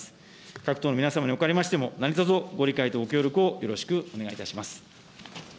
各党の皆様におかれましても、何とぞご理解とご協力をよろしくお願いいたします。